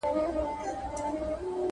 په دې تورني کړې چې دا جادوگري دي